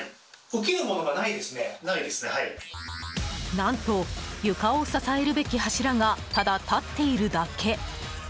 何と床を支えるべき柱がただ立っているだけ。